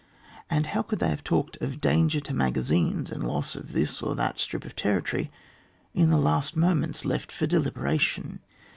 and how could they have talked of danger to magazines and loss of this or that strip of territory in the last moments left for deliberation